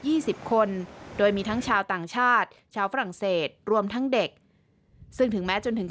สิบคนโดยมีทั้งชาวต่างชาติชาวฝรั่งเศสรวมทั้งเด็กซึ่งถึงแม้จนถึง